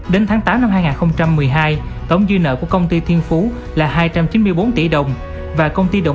đến tháng tám năm hai nghìn một mươi hai tổng dư nợ của công ty thiên phú là hai trăm chín mươi bốn tỷ đồng và công ty đầu